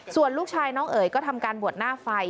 ส่วนลูกชายน้องเอ๋ยก็ทำการบวชหน้าไฟ